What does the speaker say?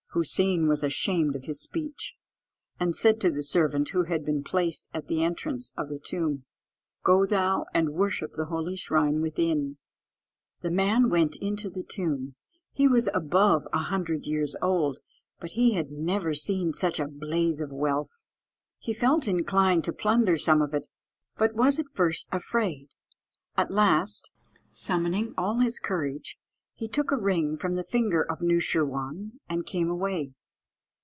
Hoosein was ashamed of his speech, and said to the servant who had been placed at the entrance of the tomb, "Go thou, and worship the holy shrine within." The man went into the tomb; he was above a hundred years old, but he had never seen such a blaze of wealth. He felt inclined to plunder some of it, but was at first afraid; at last, summoning all his courage, he took a ring from the finger of Noosheerwân, and came away.